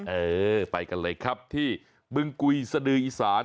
เออไปกันเลยครับที่บึงกุยสดืออีสาน